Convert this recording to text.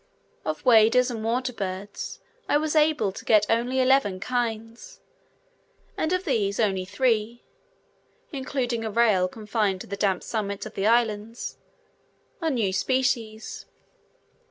Of waders and water birds I was able to get only eleven kinds, and of these only three (including a rail confined to the damp summits of the islands) are new species.